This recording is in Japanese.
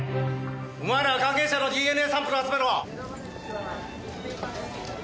お前らは関係者のＤＮＡサンプルを集めろ！